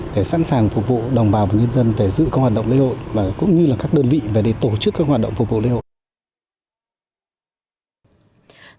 để sẵn sàng phục vụ đồng bào và nhân dân để giữ các hoạt động lễ hội cũng như các đơn vị để tổ chức các hoạt động phục vụ lễ hội